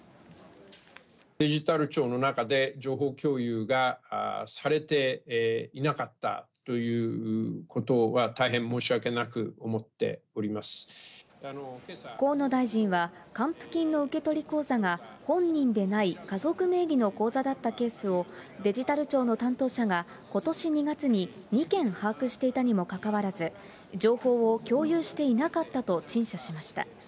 デジタル庁の中で情報共有がされていなかったということは、河野大臣は、還付金の受取口座が本人でない家族名義の口座だったケースを、デジタル庁の担当者がことし２月に２件把握していたにもかかわらず、情報を共有していなかったと陳謝しました。